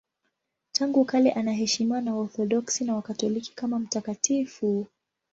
Tangu kale anaheshimiwa na Waorthodoksi na Wakatoliki kama mtakatifu.